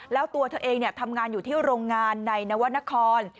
แล้วตัวเธอเองทำงานอยู่ที่โรงงานในนวรรณคร